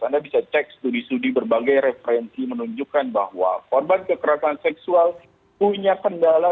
anda bisa cek studi studi berbagai referensi menunjukkan bahwa korban kekerasan seksual punya kendala